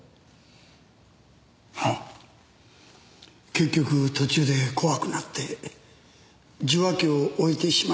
結局途中で怖くなって受話器を置いてしまいました。